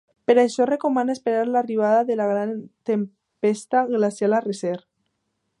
Per això, recomana esperar l'arribada de la gran tempesta glacial a recer.